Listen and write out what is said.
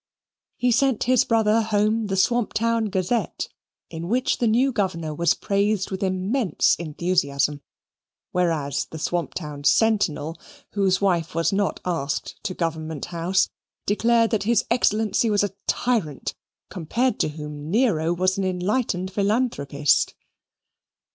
He sent his brother home the Swamp Town Gazette, in which the new Governor was praised with immense enthusiasm; whereas the Swamp Town Sentinel, whose wife was not asked to Government House, declared that his Excellency was a tyrant, compared to whom Nero was an enlightened philanthropist.